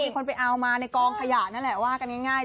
คนไปเอามาในกองขยะนั่นแหละว่ากันง่าย